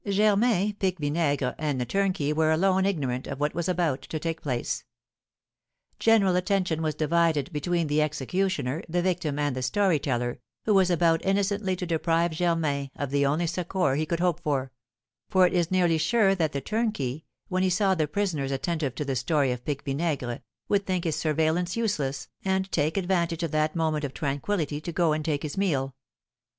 Germain, Pique Vinaigre, and the turnkey were alone ignorant of what was about to take place. General attention was divided between the executioner, the victim, and the story teller, who was about innocently to deprive Germain of the only succour he could hope for; for it is nearly sure that the turnkey, when he saw the prisoners attentive to the story of Pique Vinaigre, would think his surveillance useless, and take advantage of that moment of tranquillity to go and take his meal.